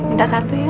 minta satu ya